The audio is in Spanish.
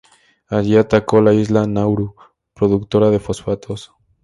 Allí atacó la isla Nauru, productora de fosfatos.